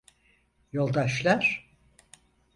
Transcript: Yoldaşlar?